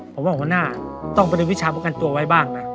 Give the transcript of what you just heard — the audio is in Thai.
ผมว่าข้อหน้าต้องไปดูวิชาประกันตัวไว้บ้างนะ